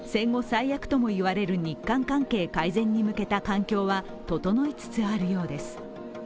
最悪ともいわれる日韓関係改善に向けた環境は整いつつあるようです。